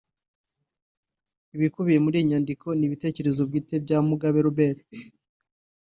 Ibikubiye muri iyi nyandiko ni ibitekerezo bwite bya Mugabe Robert